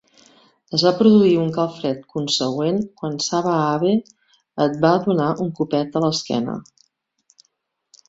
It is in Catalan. Es va produir un calfred consegüent quan Sada Abe et va donar un copet a l'esquena.